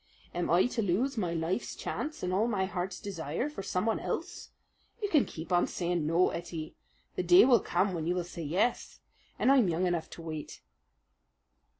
Am I to lose my life's chance and all my heart's desire for someone else? You can keep on saying no, Ettie: the day will come when you will say yes, and I'm young enough to wait."